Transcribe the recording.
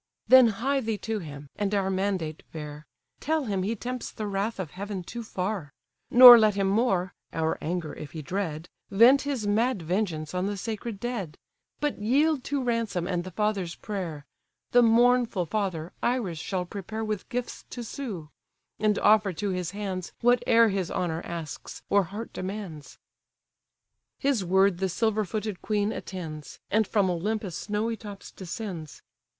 Then hie thee to him, and our mandate bear: Tell him he tempts the wrath of heaven too far; Nor let him more (our anger if he dread) Vent his mad vengeance on the sacred dead; But yield to ransom and the father's prayer; The mournful father, Iris shall prepare With gifts to sue; and offer to his hands Whate'er his honour asks, or heart demands." His word the silver footed queen attends, And from Olympus' snowy tops descends.